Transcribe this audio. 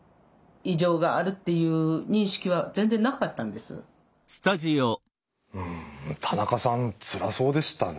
で自分が田中さんつらそうでしたね。